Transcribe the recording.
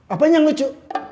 apa yang lucu